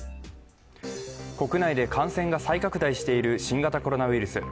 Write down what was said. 国内で感染が再拡大している新型コロナウイルス。